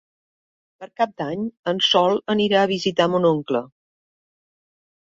Per Cap d'Any en Sol anirà a visitar mon oncle.